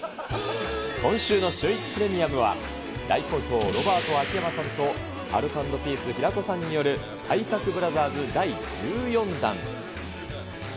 今週のシューイチプレミアムは、大好評、ロバート・秋山さんとアルコ＆ピース・平子さんによる体格ブラザーズ第１４弾。